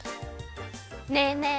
ねえねえ